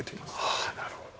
はあなるほど。